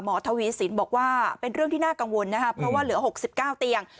ทวีสินบอกว่าเป็นเรื่องที่น่ากังวลนะครับเพราะว่าเหลือ๖๙เตียง